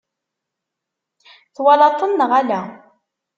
Twalaḍ-ten neɣ ala?